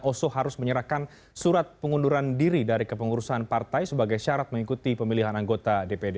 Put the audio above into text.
dan oso harus menyerahkan surat pengunduran diri dari kepengurusan partai sebagai syarat mengikuti pemilihan anggota dpd